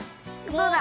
どうだ？